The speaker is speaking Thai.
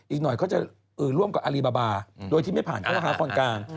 อีกหน่อยเขาจะร่วมกับอารีบาบาโดยที่ไม่ผ่านข้อหาคนกลาง